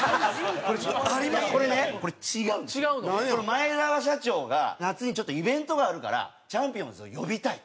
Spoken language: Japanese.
前澤社長が夏にちょっとイベントがあるからちゃんぴおんずを呼びたいと。